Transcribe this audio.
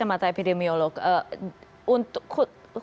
dalam penanganan epidemiologi dari kacamata